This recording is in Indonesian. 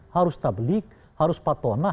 harus tablik harus patonah